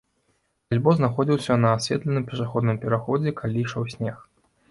Альбо знаходзіўся на асветленым пешаходным пераходзе, калі ішоў снег.